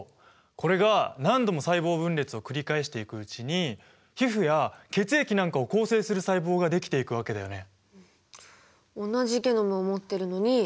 これが何度も細胞分裂を繰り返していくうちに皮膚や血液なんかを構成する細胞ができていくわけだよね。